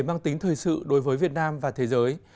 mang tính thời sự đối với việt nam và thế giới